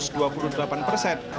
sebelum delapan persen